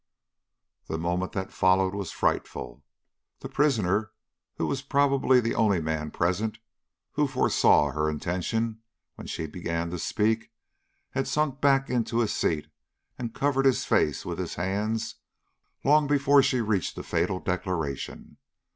The moment that followed was frightful. The prisoner, who was probably the only man present who foresaw her intention when she began to speak, had sunk back into his seat and covered his face with his hands long before she reached the fatal declaration.